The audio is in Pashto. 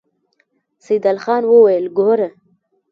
سيدال خان وويل: ګوره!